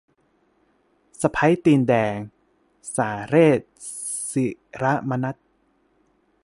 สะใภ้ตีนแดง - สาเรส ศิระมนัส